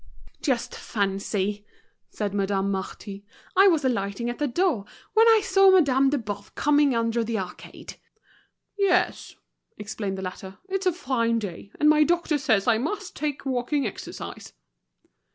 "Just fancy," said Madame Marty, "I was alighting at the door, when I saw Madame de Boves coming under the arcade." "Yes," explained the latter, "it's a fine day, and my doctor says I must take walking exercise."